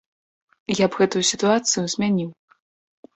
Я б гэтую сітуацыю змяніў.